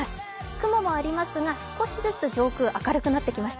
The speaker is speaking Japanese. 雲もありますが少しずつ上空、明るくなってきました。